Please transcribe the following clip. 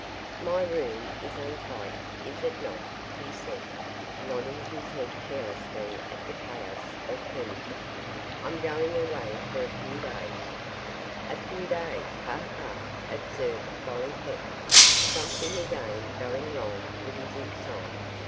'My room is untidy, is it not?' he said, nodding his head carelessly at the chaos of furniture. 'I'm going away for a few days.' 'A few days; ha, ha!' observed Gollipeck, something again going wrong with his inside.